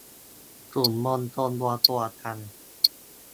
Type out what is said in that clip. กลุ่มมวลชนรวมตัวกัน